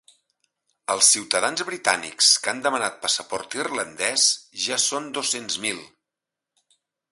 Els ciutadans britànics que han demanat passaport irlandès són ja dos-cents mil.